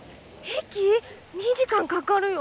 ２時間かかるよ。